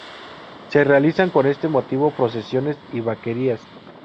Se realizan con este motivo procesiones y vaquerías.